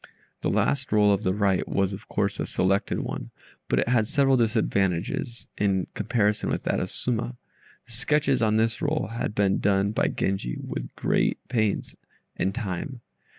The last roll of the right was, of course, a selected one, but it had several disadvantages in comparison with that of "Suma." The sketches on this roll had been done by Genji, with great pains and time.